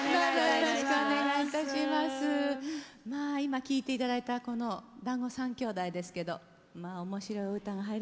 まあ今聴いていただいたこの「だんご３兄弟」ですけど面白い歌がはやりましたですね。